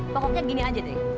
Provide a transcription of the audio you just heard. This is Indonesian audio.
pokoknya gini aja deh